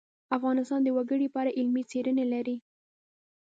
افغانستان د وګړي په اړه علمي څېړنې لري.